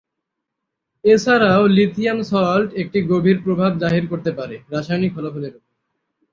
এছাড়াও lithium salt একটি গভীর প্রভাব জাহির করতে পারে রাসায়নিক ফলাফলের উপর।